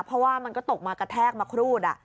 เพราะว่ามันก็ตกมากระแทกมาครูด